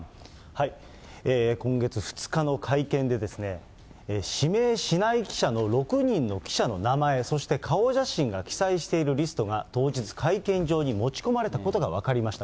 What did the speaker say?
今月２日の会見で、指名しない記者の６人の記者の名前、そして顔写真が記載しているリストが当日、会見場に持ち込まれたことが分かりました。